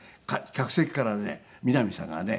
客席からね三波さんがね